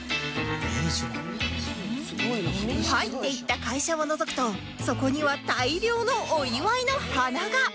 入っていった会社をのぞくとそこには大量のお祝いの花が！